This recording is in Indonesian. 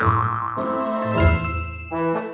ini kita lihat